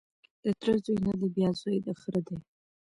د تره زوی نه دی بیا زوی د خره دی